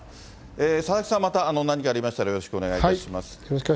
佐々木さん、また何かありましたら、よろしくお願いいたします。